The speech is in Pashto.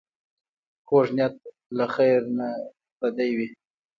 کوږ نیت له خېر نه پردی وي